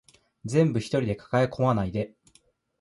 全部一人で抱え込まないで